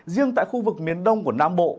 riêng tại khu vực miền đông của nam bộ